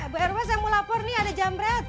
bu rw saya mau lapor nih ada jamret